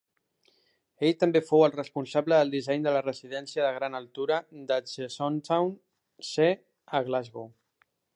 Ell també fou el responsable del disseny de la residència de gran altura d'Hutchesontown C a Glasgow.